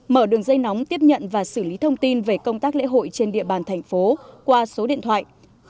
mở đường dây nóng tiếp nhận và xử lý thông tin về công tác lễ hội trên địa bàn thành phố qua số điện thoại tám trăm sáu mươi chín hai mươi chín năm mươi năm ba mươi tám